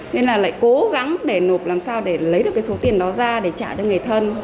nên là lại cố gắng để nộp làm sao để lấy được cái số tiền đó ra để trả cho người thân